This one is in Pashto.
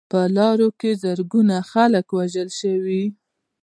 په لاره کې زرګونه خلک ووژل شول.